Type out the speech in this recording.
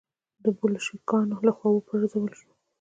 د بلشویکانو له خوا و پرځول شو.